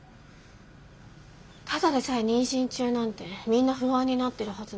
ただでさえ妊娠中なんてみんな不安になってるはずなのに。